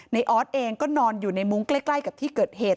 ออสเองก็นอนอยู่ในมุ้งใกล้กับที่เกิดเหตุ